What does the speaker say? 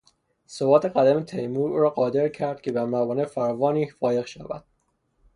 ثبات قدم تیمور او را قادر کرد که بر موانع فراوانی فایق شود.